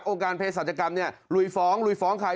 การเพศศาจกรรมเนี่ยลุยฟ้องลุยฟ้องใคร